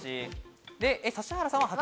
指原さんは８。